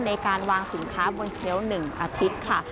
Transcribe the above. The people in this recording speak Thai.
ในการวางสินค้าบนเทียวหนึ่งอาทิตย์ค่ะ